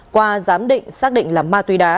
qua giám định xác định là ma túy đá